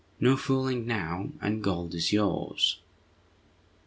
No fooling now, and gold is yours!"